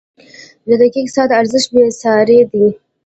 • د دقیق ساعت ارزښت بېساری دی.